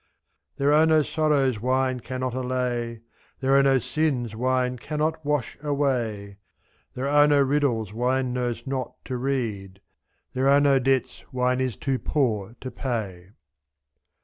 There are no sorrows wine cannot allay. There are no sins wine cannot wash away, /«?. There are no riddles wine knows not to read. There are no debts wine is too poor to pay.